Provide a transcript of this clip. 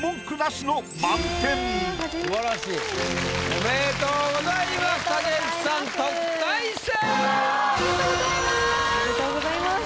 おめでとうございます。